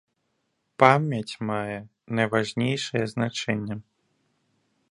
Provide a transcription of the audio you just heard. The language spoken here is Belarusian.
Памяць мае найважнейшае значэнне.